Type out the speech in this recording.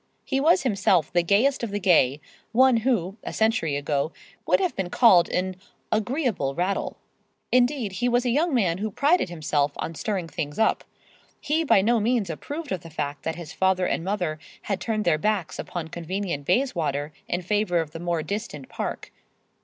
He was himself the gayest of the gay, one who, a century ago, would have been called an "agreeable rattle;" indeed he was a young man who prided himself on stirring things up. He by no means approved of the fact that his father and mother had turned their backs upon convenient Bayswater in favor of the more distant Park.